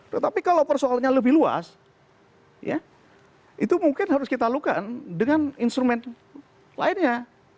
tetapi kalau persoalannya lebih luas ya itu mungkin harus kita lakukan dengan instrumen lainnya